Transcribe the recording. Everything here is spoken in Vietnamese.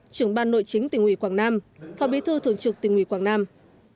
trưởng ban nội chính tỉnh ủy quảng nam phó bí thư thường trực tỉnh ủy quảng nam